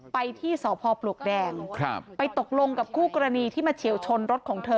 ไปที่สพปลวกแดงไปตกลงกับคู่กรณีที่มาเฉียวชนรถของเธอ